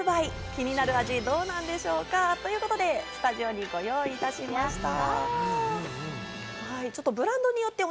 気になる味、どうなんでしょうか？ということでスタジオにご用意いたしました。